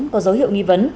có dấu hiệu nghi vấn